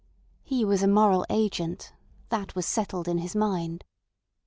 He was a moral agent—that was settled in his mind.